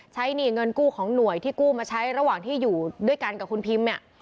หนี้เงินกู้ของหน่วยที่กู้มาใช้ระหว่างที่อยู่ด้วยกันกับคุณพิมเนี่ย